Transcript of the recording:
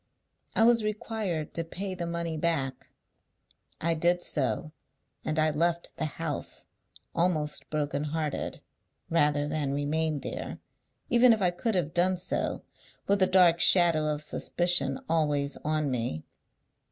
I was required to pay the money back. I did so; and I left the house, almost broken hearted, rather than remain there, even if I could have done so, with a dark shadow of suspicion always on me.